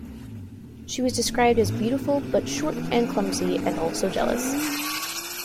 She was described as beautiful but short and clumsy, and also jealous.